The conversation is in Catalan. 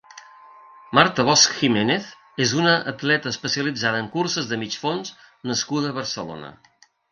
Marta Bosch Jiménez és una atleta especialitzada en curses de mig fons nascuda a Barcelona.